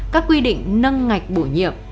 các quy định nâng ngạch bổ nhiệm